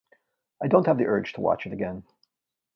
I don't have the urge to watch it again.